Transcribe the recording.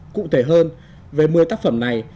cụ thể hơn về một mươi tác phẩm này